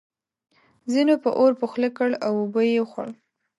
ځینو به اور په خوله کړ او وبه یې خوړ.